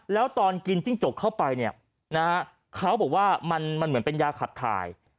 แล้วตอนกินจิ้งจกเข้าไปเขาบอกว่ามันเหมือนเป็นยาขัดทาย